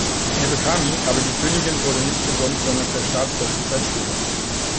Er bekam ihn, aber die Königin wurde nicht gesund, sondern verstarb kurze Zeit später.